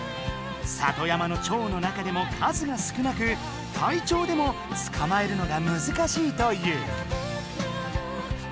里山のチョウの中でも数が少なく隊長でもつかまえるのが難しいという。